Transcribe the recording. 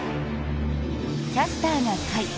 「キャスターな会」。